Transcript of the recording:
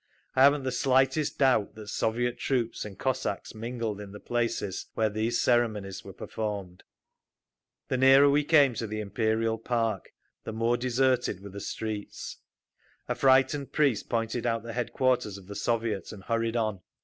I haven't the slightest doubt that Soviet troops and Cossacks mingled in the places where these ceremonies were performed. The nearer we came to the Imperial Park, the more deserted were the streets. A frightened priest pointed out the headquarters of the Soviet, and hurried on.